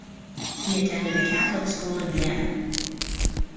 He attended a Catholic school in Vienna.